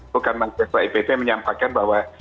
bukan mahasiswa ipt menyampaikan bahwa